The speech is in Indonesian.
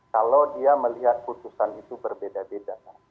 kalau dia melihat putusan itu berbeda beda